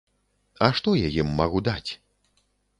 А што я ім магу даць?